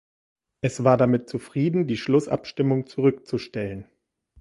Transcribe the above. Es war damit zufrieden, die Schlussabstimmung zurückzustellen.